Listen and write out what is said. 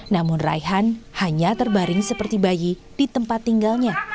namun raihan hanya terbaring seperti bayi di tempat tinggalnya